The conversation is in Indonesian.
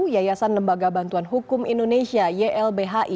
yayasan lembaga bantuan hukum indonesia ylbhi